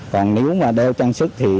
còn nếu mà đeo trang sức thì